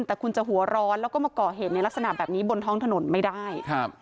แต่คุณจะหัวร้อนแล้วก็มาก่อเหตุในลักษณะแบบนี้บนท้องถนนไม่ได้ครับ